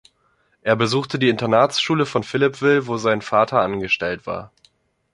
Er besuchte die Internatsschule von Philippeville, wo sein Vater angestellt war.